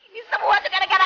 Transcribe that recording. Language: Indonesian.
bro aku large sih dia